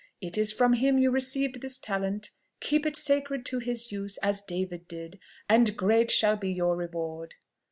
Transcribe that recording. It is from him you received this talent keep it sacred to his use, as David did, and great shall be your reward!